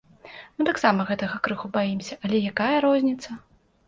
Мы таксама гэтага крыху баімся, але якая розніца?